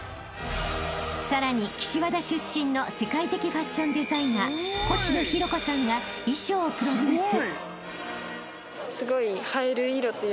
［さらに岸和田出身の世界的ファッションデザイナーコシノヒロコさんが衣装をプロデュース］